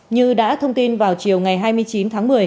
như đã thông tin vào chiều ngày hai mươi chín tháng một mươi